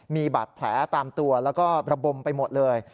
มีบาดแผลตามตัวแล้วก็ระบมไปหมดเลย